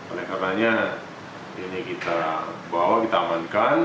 oleh karenanya ini kita bawa kita amankan